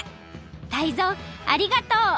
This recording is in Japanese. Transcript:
タイゾウありがとう！